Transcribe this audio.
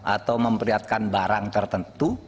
atau memperlihatkan barang tertentu